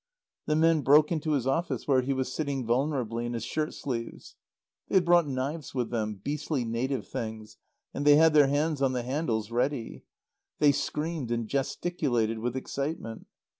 The men broke into his office where he was sitting, vulnerably, in his shirt sleeves. They had brought knives with them, beastly native things, and they had their hands on the handles, ready. They screamed and gesticulated with excitement.